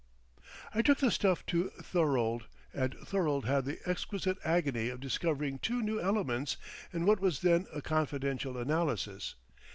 I took the stuff to Thorold, and Thorold had the exquisite agony of discovering two new elements in what was then a confidential analysis.